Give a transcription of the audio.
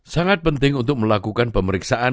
sangat penting untuk melakukan pemeriksaan